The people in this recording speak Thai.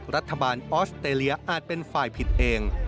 ออสเตรเลียอาจเป็นฝ่ายผิดเอง